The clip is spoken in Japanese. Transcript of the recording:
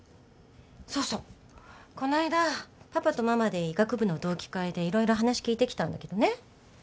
そうそうこの間パパとママで医学部の同期会で色々話聞いてきたんだけどね